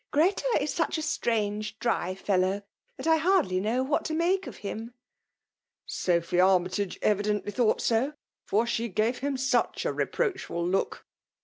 Greta is such a strange, dry fellow, tliat I hardly know what fx> make of him !"" Sophy Armytage evidently thought so, for she gave him sw:h a reproachful look